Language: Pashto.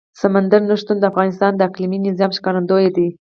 سمندر نه شتون د افغانستان د اقلیمي نظام ښکارندوی ده.